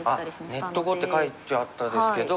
ネット碁って書いてあったですけど。